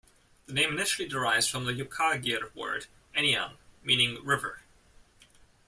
The name initially derives from the Yukaghir word "any-an" meaning "river".